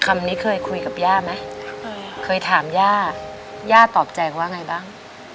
คำนี้เคยคุยกับย่าไหมเคยถามย่าย่าตอบใจว่าไงบ้าง